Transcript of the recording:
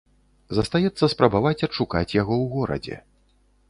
Застаецца спрабаваць адшукаць яго ў горадзе.